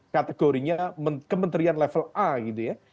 kategorinya kementerian level a gitu ya